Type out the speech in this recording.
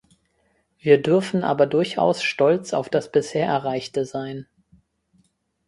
Wir dürfen aber durchaus stolz auf das bisher Erreichte sein.